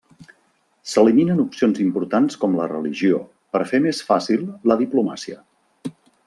S'eliminen opcions importants com la religió, per fer més fàcil la diplomàcia.